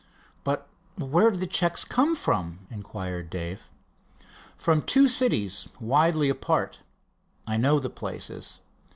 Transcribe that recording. "But where did the checks come from?" inquired Dave. "From two cities, widely apart. I know the places.